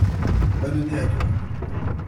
Bonne année à toi.